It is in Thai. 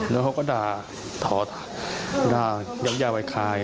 แล้วก็ด่าถอดด่ายังยาวไว้คลาย